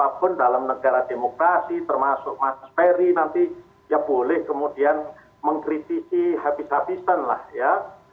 apapun dalam negara demokrasi termasuk mas ferry nanti ya boleh kemudian mengkritisi habis habisan lah ya